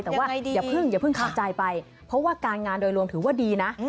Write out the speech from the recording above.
แต่ว่าอย่าเพิ่งคาใจไปเพราะว่าการงานโดยรวมถือว่าดีนะ